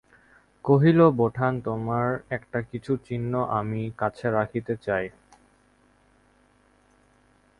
কহিল, বোঠান, তোমার একটা কিছু চিহ্ন আমি কাছে রাখিতে চাই।